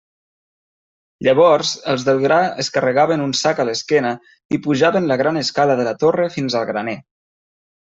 Llavors els del gra es carregaven un sac a l'esquena i pujaven la gran escala de la Torre fins al graner.